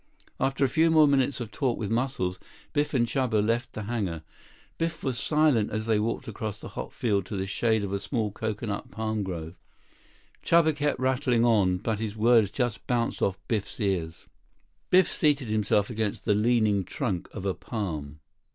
After a few more minutes of talk with Muscles, Biff and Chuba left the hangar. Biff was silent as they walked across the hot field to the shade of a small coconut palm grove. Chuba kept rattling on, but his words just bounced off Biff's ears. Biff seated himself against the leaning trunk of a palm.